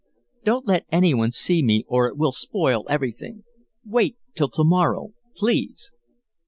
Don't let any one see me or it will spoil everything. Wait till to morrow, please."